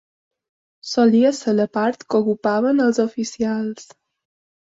Solia ser la part que ocupaven els oficials.